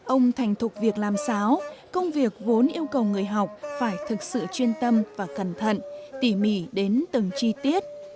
ông thành thục việc làm sáo công việc vốn yêu cầu người học phải thực sự chuyên tâm và cẩn thận tỉ mỉ đến từng chi tiết